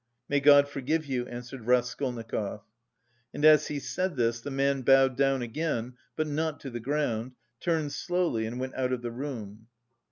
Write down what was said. "May God forgive you," answered Raskolnikov. And as he said this, the man bowed down again, but not to the ground, turned slowly and went out of the room.